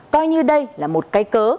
coi như đây là một cái cớ